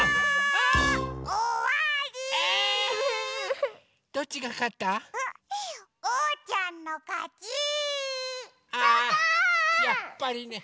あぁやっぱりね。